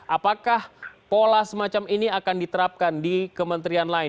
apakah pola semacam ini akan diterapkan di kementerian lain